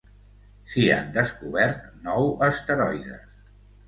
S'hi han descobert nou asteroides.